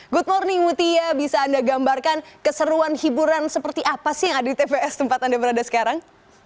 good morning mutia bisa anda gambarkan keseruan hiburan seperti apa sih yang ada di tps tempat anda berada sekarang